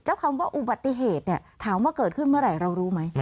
คำว่าอุบัติเหตุเนี่ยถามว่าเกิดขึ้นเมื่อไหร่เรารู้ไหม